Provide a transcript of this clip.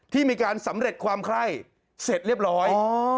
ที่มีการสำเร็จความไคร้เสร็จเรียบร้อย